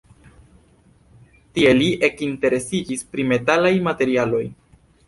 Tie li ekinteresiĝis pri metalaj materialoj.